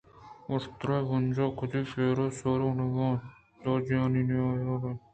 اُشتر ءِ بنجاہ کدی پِیر ءُ سورگ نہ بیت دوجَنِی نیم عُمر ءِ مردے